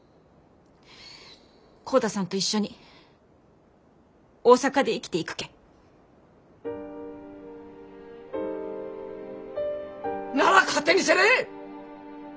浩太さんと一緒に大阪で生きていくけん。なら勝手にせんね！